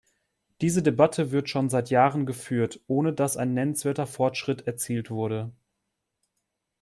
Diese Debatte wird schon seit Jahren geführt, ohne dass ein nennenswerter Fortschritt erzielt wurde.